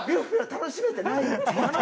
楽しめてない。